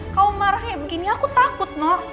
kau marahnya begini aku takut nek